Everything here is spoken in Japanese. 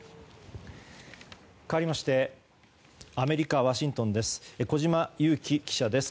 かわりましてアメリカ・ワシントンです。